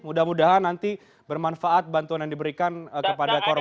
mudah mudahan nanti bermanfaat bantuan yang diberikan kepada korban